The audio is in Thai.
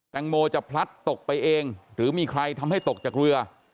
แตงโมจะพลัดตกไปเองหรือมีใครทำให้ตกจากเรือ